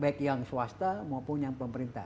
baik yang swasta maupun yang pemerintah